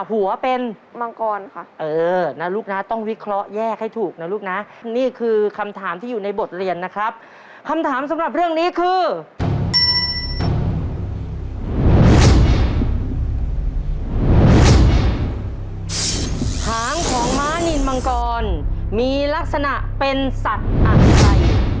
หางของม้านินมังกรมีลักษณะเป็นสัตว์อะไร